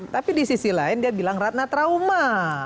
tapi di sisi lain dia bilang ratna trauma